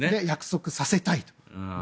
約束させたいと。